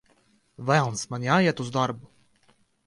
Velns, man jāiet uz darbu!